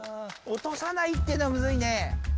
おとさないってのはむずいね。